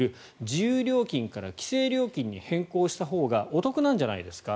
自由料金から規制料金に変更したほうがお得なんじゃないですか。